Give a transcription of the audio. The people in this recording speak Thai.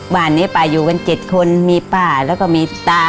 บ้านนี้ป้าอยู่กัน๗คนมีป้าแล้วก็มีตา